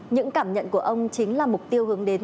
những cảm nhận của ông chính là mục tiêu hướng đến